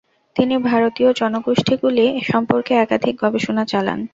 তিনি ভারতীয় জনগোষ্ঠীগুলি সম্পর্কে একাধিক গবেষণা চালান।